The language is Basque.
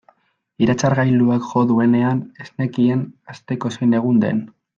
Iratzargailuak jo duenean ez nekien asteko zein egun den.